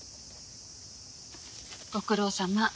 ご苦労さま。